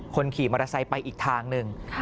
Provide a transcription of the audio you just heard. คนขี่มอเตอร์ไซค์ไปอีกทางหนึ่ง